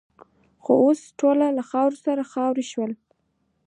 خو اوس ټول له خاورو سره خاوروې شول.